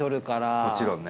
伊達：もちろんね。